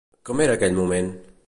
Com era aquell moment?